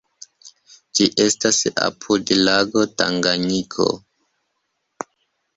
Ĝi estas apud lago Tanganjiko.